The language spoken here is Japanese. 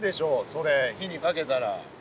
それ火にかけたら。